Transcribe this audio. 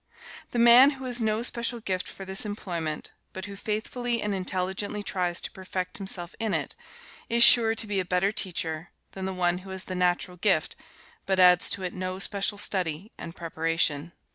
The man who has no special gift for this employment, but who faithfully and intelligently tries to perfect himself in it, is sure to be a better teacher than the one who has the natural gift, but adds to it no special study and preparation.